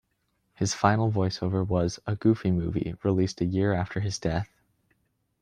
His final voice-over was "A Goofy Movie", released a year after his death.